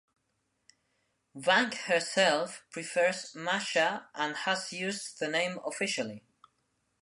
Vang herself prefers Mascha and has used the name officially.